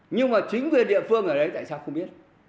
nhưng mà chính quyền địa phương ở đấy tại sao không biết